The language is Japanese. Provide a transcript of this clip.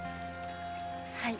はい。